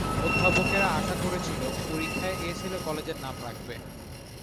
অধ্যাপকেরা আশা করেছিল পরীক্ষায় এ ছেলে কলেজের নাম রাখবে।